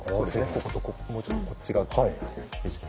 こことここもうちょっとこっち側意識して。